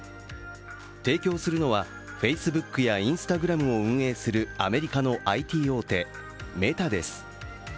提供するのは、ＦａｃｅｂｏｏｋやＩｎｓｔａｇｒａｍを運営するアメリカのＩＴ大手、メタです。